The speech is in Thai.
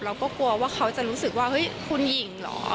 เราก็กลัวว่าเขาจะรู้สึกว่าเฮ้ยคุณหญิงเหรอ